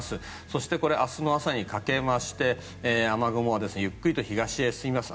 そしてこれ明日の朝にかけまして雨雲はゆっくりと東へ進みます。